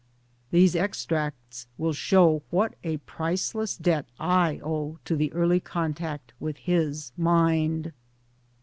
'' These extracts will show what a priceless debt I owe to the early contact with his mind.